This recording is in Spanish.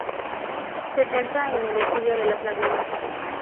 Se centra en el estudio de las lagunas.